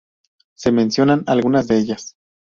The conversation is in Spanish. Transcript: Se mencionan algunas de ellas.